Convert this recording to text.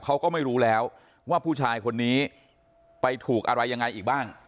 เขาก็ไม่รู้แล้วว่าผู้ชายคนนี้ไปถูกอะไรยังไงอีกบ้าง